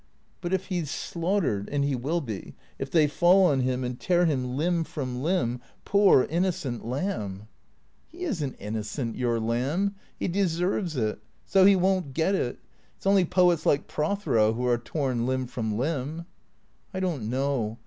" But if he 's slaughtered — and he will be — if they fall on him and tear him limb from limb, poor innocent lamb !" 444 THECEEATOES " He is n't innocent, your lamb. He deserves it. So he won't get it. It 's only poets like Prothero who are torn limb from limb." " I don't know.